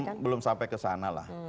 saya kira belum sampai ke sana lah